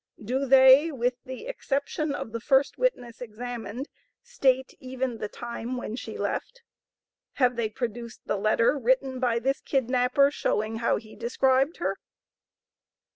Do they, with the exception of the first witness examined, state even the time when she left? Have they produced the letter written by this kidnapper, showing how he described her?